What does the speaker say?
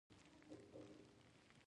د ډبرو سکاره پاکستان ته صادریږي